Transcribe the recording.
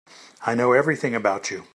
I know everything about you.